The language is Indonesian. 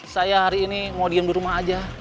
saya hari ini mau diem di rumah aja